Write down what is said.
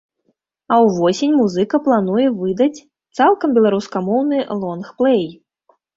А ўвосень музыка плануе выдаць цалкам беларускамоўны лонгплэй.